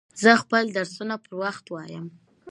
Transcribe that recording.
زه خپل درسونه پر وخت وایم.